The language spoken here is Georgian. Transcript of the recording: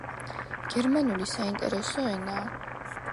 გერმანული საინტერესო ენაა